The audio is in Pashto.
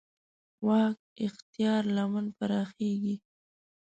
واک اختیار لمن پراخېږي.